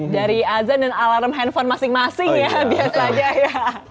dari azan dan alarm handphone masing masing ya biasanya ya